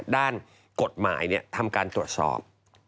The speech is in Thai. ด้านกฎหมายทำการตรวจสอบ